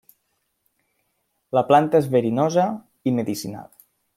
La planta és verinosa i medicinal.